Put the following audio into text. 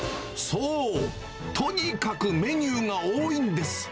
そう、とにかくメニューが多いんです。